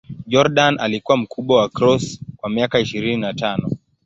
Jordan alikuwa mkubwa wa Cross kwa miaka ishirini na tano.